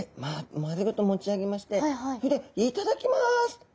丸ごと持ち上げましてそれで頂きます。